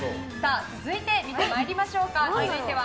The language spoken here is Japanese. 続いて、見て参りましょう。